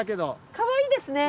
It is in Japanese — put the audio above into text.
かわいいですね。